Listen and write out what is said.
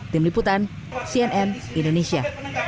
tim liputan cnn indonesia